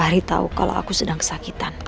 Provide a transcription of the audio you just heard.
mas fahri tau kalau aku sedang kesakitan